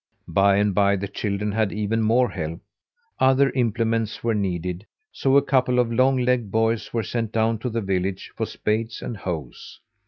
By and by the children had even more help. Other implements were needed, so a couple of long legged boys were sent down to the village for spades and hoes.